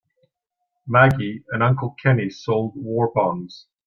Maggie and Uncle Kenny sold war bonds.